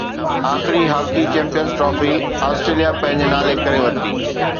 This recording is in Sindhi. آخري هاڪي چيمپئنز ٽرافي آسٽريليا پنهنجي نالي ڪري ورتي